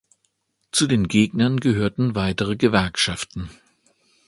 Zu den Gegnern gehörten weitere Gewerkschaften.